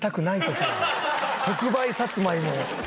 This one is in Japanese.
特売さつまいもを。